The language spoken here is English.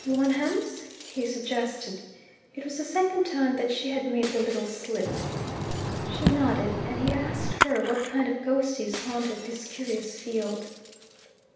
"Wonham's?" he suggested. It was the second time that she had made the little slip. She nodded, and he asked her what kind of ghosties haunted this curious field.